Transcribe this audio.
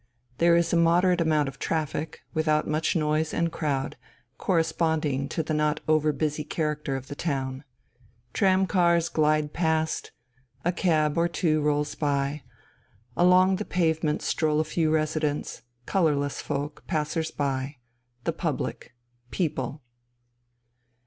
There is a moderate amount of traffic, without much noise and crowd, corresponding to the not over busy character of the town. Tram cars glide past, a cab or two rolls by, along the pavement stroll a few residents, colourless folk, passers by, the public "people."